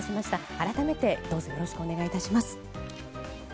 改めて、どうぞよろしくお願いいたします。